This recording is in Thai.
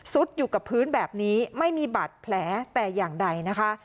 อยู่กับพื้นแบบนี้ไม่มีบาดแผลแต่อย่างใดนะคะ